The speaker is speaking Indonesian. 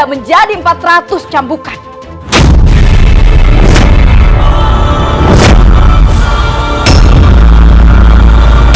aku minta tiga jenis penyelidikan yang berlapisan ketiga